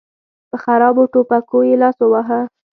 په خرابو ټوپکو يې لاس وواهه.